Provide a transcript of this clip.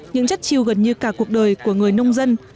những chất chiêu gần như cả cuộc đời của người nông dân